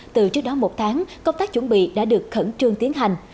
từ trước đó một tháng công tác chuẩn bị đã được khẩn trương tiến hành